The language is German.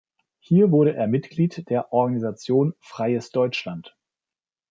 Hier wurde er Mitglied der Organisation "Freies Deutschland".